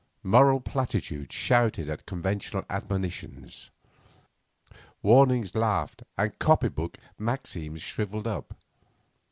Moral platitudes shouted at conventional admonitions. Warnings laughed and copy book maxims shrivelled up.